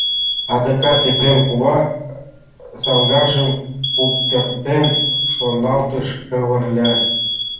«Адакат Епрем кува, — саҥгажым куптыртен, шоналтыш Кавырля.